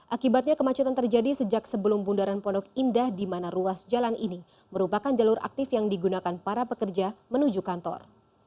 akibatnya kemacetan terjadi sejak sebelum bundaran pondok indah di mana ruas jalan ini merupakan jalur aktif yang digunakan para pekerja menuju kantor